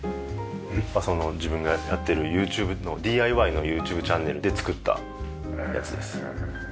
自分がやってるＹｏｕＴｕｂｅのＤＩＹのＹｏｕＴｕｂｅチャンネルで作ったやつです。